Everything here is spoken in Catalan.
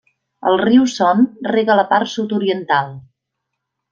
El riu Son rega la part sud-oriental.